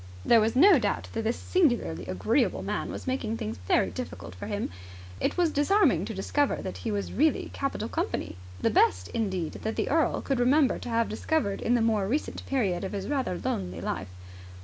There was no doubt that this singularly agreeable man was making things very difficult for him. It was disarming to discover that he was really capital company the best, indeed, that the earl could remember to have discovered in the more recent period of his rather lonely life.